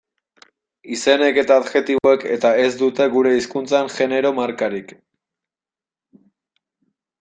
Izenek eta adjektiboek eta ez dute gure hizkuntzan genero markarik.